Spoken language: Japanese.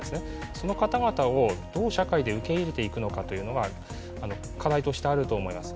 その方々をどう社会で受け入れていくかというのは、課題としてあると思います。